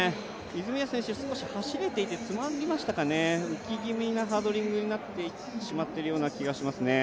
泉谷選手、少し詰まりましたかね、浮き気味なハードリングになってしまっているような気がしますね。